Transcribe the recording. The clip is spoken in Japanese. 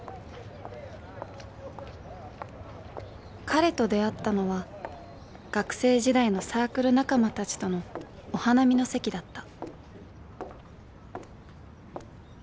「彼と出会ったのは、学生時代のサークル仲間たちとのお花見の席だった」。